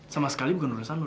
sama sekali bukan urusan